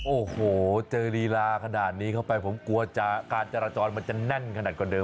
โอ้โหเจอลีลาขนาดนี้เข้าไปผมกลัวการจราจรมันจะแน่นขนาดกว่าเดิม